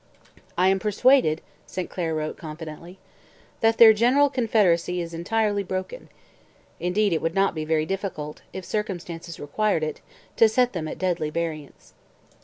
'I am persuaded,' St Clair wrote confidently, '[that] their general confederacy is entirely broken. Indeed it would not be very difficult, if circumstances required it, to set them at deadly variance.'